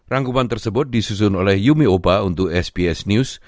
rangkuman tersebut disusun oleh yumi oba untuk sbs news